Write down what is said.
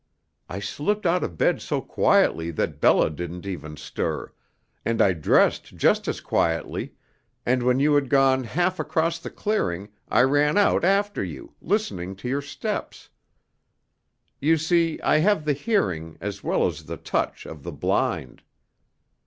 I slipped out of bed so quietly that Bella didn't even stir, and I dressed just as quietly, and when you had gone half across the clearing, I ran out after you, listening to your steps. You see, I have the hearing, as well as the touch, of the blind."